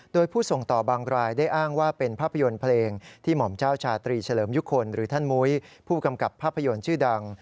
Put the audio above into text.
โดยผู้ส่งต่อบางรายได้อ้างว่าเป็นภาพยนตร์เพลงที่หม่อมเจ้าชาตรีเฉลิมยุคลหรือท่านมุ้ยผู้กำกับภาพยนตร์ชื่อดัง